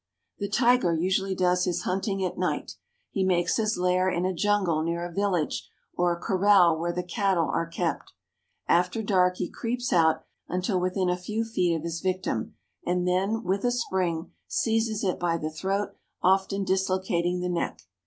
The tiger usually does his hunting at night. He makes his lair in a jungle near a village or a corral where the cat tle are kept. After dark, he creeps out until within a few feet of his victirn, and then with a spring seizes it by the throat, often dislocating the neck.